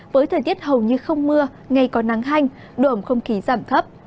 với thời tiết hầu như không mưa ngày có nắng hanh độ ẩm không khí giảm thấp